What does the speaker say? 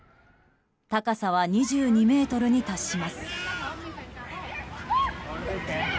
高さは２２ｍに達します。